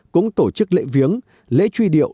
cũng tổ chức lễ viếng lễ truy điệu